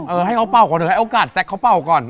ให้เขาเป่าก่อนเดี๋ยวให้โอกาสแซคเขาเป่าก่อน